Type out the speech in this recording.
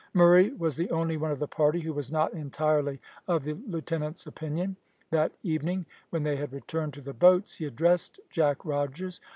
Murray was the only one of the party who was not entirely of the lieutenant's opinion. That evening, when they had returned to the boats, he addressed Jack Rogers.